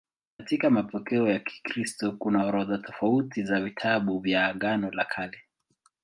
Katika mapokeo ya Kikristo kuna orodha tofauti za vitabu vya Agano la Kale.